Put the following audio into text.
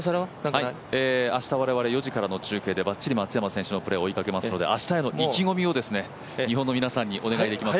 明日、我々４時からの中継でばっちり松山選手のプレーを追いかけますので明日への意気込みを日本の皆さんにお願いできますか。